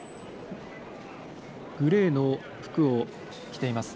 グレーの服を着ています。